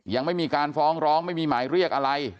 ยังไม่มีการฟ้องร้องไม่มีหมายเรียกอะไร